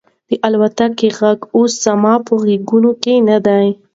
د الوتکې غږ اوس زما په غوږونو کې نه دی.